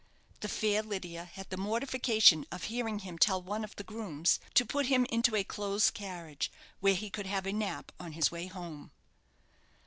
The fair Lydia had the mortification of hearing him tell one of the grooms to put him into a close carriage, where he could have a nap on his way home.